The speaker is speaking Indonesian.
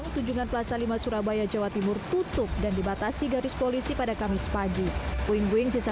namun tunjungan plasa lainnya yakni satu hingga enam tetap beroperasi normal